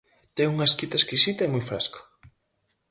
Ten unha escrita exquisita e moi fresca.